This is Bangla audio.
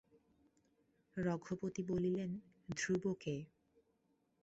রঘপতি বলিলেন, ধ্রুব কে?